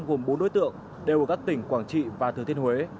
gồm bốn đối tượng đều ở các tỉnh quảng trị và thừa thiên huế